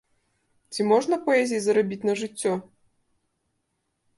Ці можна паэзіяй зарабіць на жыццё?